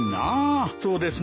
そうですね。